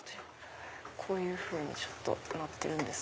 こういうふうになってるんです。